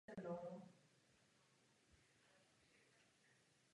Rovněž musíme posílit minimální procesní záruky.